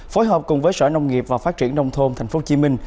phối hợp cùng với sở nông nghiệp và phát triển nông thôn tp hcm